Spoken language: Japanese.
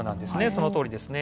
そのとおりですね。